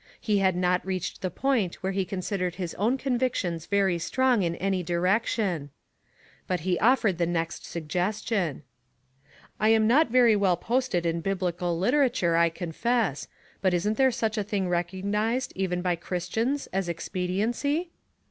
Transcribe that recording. He had not reached the point where he considered his own con victions very strong in any direction; but he offered the next suggestion. "I am not very well posted in biblical literature, I confess, but isn't there such a thing recognized, even by Christians, as ex pediency?"